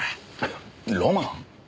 ロマン？